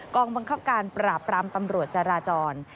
องบังคับการปราบรามตำรวจจราจร